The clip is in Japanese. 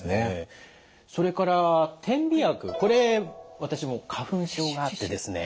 それから点鼻薬これ私も花粉症があってですね